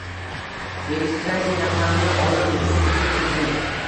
Registratsiya raqami olib, uni tekshirib tursin